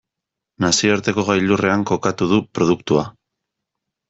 Nazioarteko gailurrean kokatu du produktua.